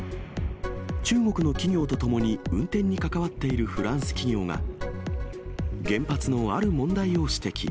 中国の企業とともに運転に関わっているフランス企業が、原発のある問題を指摘。